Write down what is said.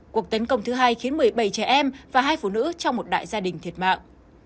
cuộc tấn công thứ hai khiến một mươi bảy trẻ em và hai phụ nữ trong một đại gia đình thiệt mạng